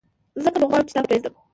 ځکه نو غواړم چي تا پرېږدم !